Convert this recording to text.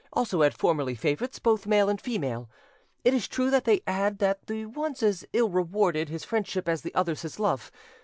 also had formerly favourites, both male and female. It is true that they add that the ones as ill rewarded his friendship as the others his love.